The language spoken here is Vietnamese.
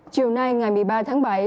chiều nay ngày một mươi ba tháng bảy